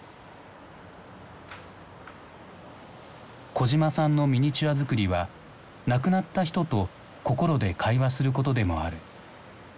小島さんのミニチュア作りは亡くなった人と心で会話することでもある。